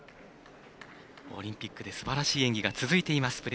オリンピックですばらしい演技が続いています。